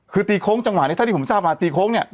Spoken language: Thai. คือตีโค้งจังหวะนี้เท่าที่ผมทราบมาตีโค้งเนี่ย